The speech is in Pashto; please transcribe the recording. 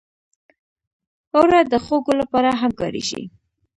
اوړه د خوږو لپاره هم کارېږي